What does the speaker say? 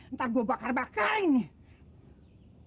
ntar gue bakar bakarin nih